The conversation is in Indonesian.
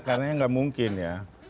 karena nggak mungkin ya